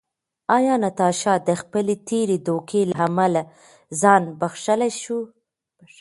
ایا ناتاشا د خپلې تېرې دوکې له امله ځان بښلی شو؟